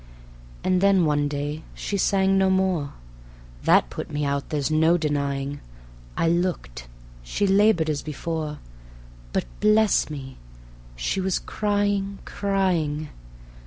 And then one day she sang no more. That put me out, there's no denying. I looked she labored as before, But, bless me! she was crying, crying.